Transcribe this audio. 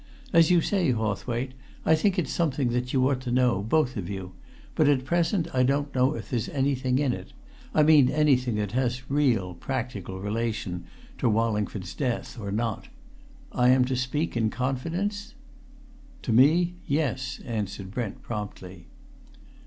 "As you say, Hawthwaite, I think it's something that you ought to know, both of you; but, at present, I don't know if there's anything in it I mean anything that has real, practical relation to Wallingford's death, or not. I am to speak in confidence?" "To me yes," answered Brent promptly.